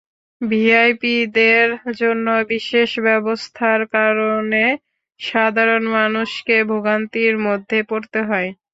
ভিআইপিদের জন্য বিশেষ ব্যবস্থার কারণে সাধারণ মানুষকে ভোগান্তির মধ্যে পড়তে হয়।